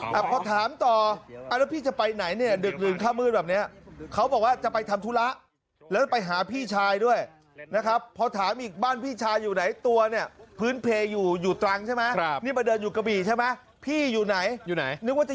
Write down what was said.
แล้วก็ถามต่อเพื่อนจะไปไหนเดือนเรือข้ามืดแบบนี้เขาบอกว่าจะไปทำธุระแล้วไปหาพี่ชายด้วยนะครับพอถามอีกบ้านพี่ชายอยู่ไหนตัวเนอะ